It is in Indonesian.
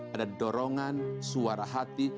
ada dorongan suara hati